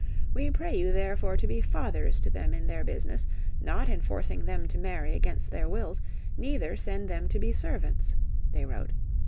"We pray you therefore to be fathers to them in their business, not enforcing them to marry against their wills, neither send them to be servants," they wrote.